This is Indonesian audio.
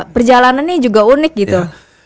perjalanannya juga unik gitu